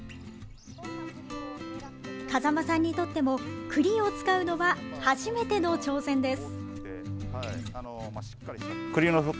風間さんにとってもくりを使うのは初めての挑戦です。